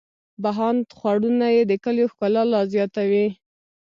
بهاند خوړونه یې د کلیو ښکلا لا زیاتوي.